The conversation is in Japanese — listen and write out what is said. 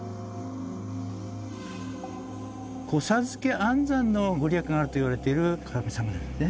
子授け安産の御利益があるといわれている神様なんですね。